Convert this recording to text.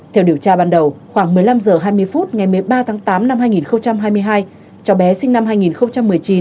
theo điều tra ban đầu khoảng một mươi năm h hai mươi phút ngày một mươi ba tháng tám năm hai nghìn hai mươi hai cháu bé sinh năm hai nghìn một mươi chín